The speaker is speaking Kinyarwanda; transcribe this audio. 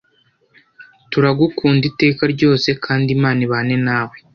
turagukunda iteka ryose kandi imana ibane nawe